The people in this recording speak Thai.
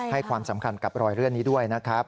ให้ความสำคัญกับรอยเลื่อนนี้ด้วยนะครับ